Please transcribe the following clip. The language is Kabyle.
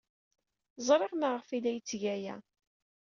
Ẓriɣ maɣef ay la yetteg aya.